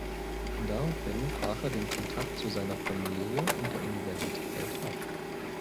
Daraufhin brach er den Kontakt zu seiner Familie und der Universität ab.